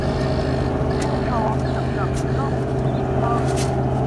ให้พร้อมสำหรับโลกยุคดิจิทัล